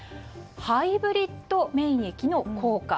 ハイブリッド免疫の効果。